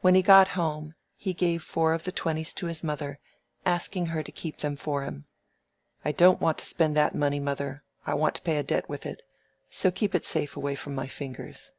When he got home, he gave four of the twenties to his mother, asking her to keep them for him. "I don't want to spend that money, mother. I want it to pay a debt with. So keep it safe away from my fingers."